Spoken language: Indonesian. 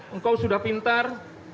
engkau sudah pintar